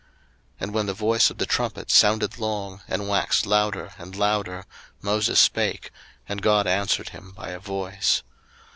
02:019:019 And when the voice of the trumpet sounded long, and waxed louder and louder, Moses spake, and God answered him by a voice.